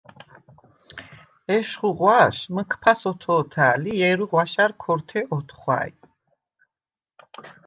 ეშხუ ღვაშ მჷქფას ოთო̄თა̄̈ლ ი ჲერუ ღვაშა̈რ ქორთე ოთხვა̈ჲ.